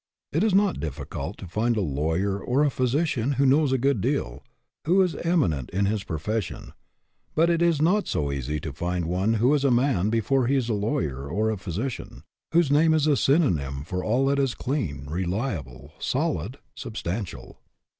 It is not difficult to find a lawyer or a physi cian who knows a good deal, who is eminent in his profession ; but it is not so easy to find one who is a man before he is a lawyer or a physician; whose name is a synonym for all that is clean, reliable, solid, substantial.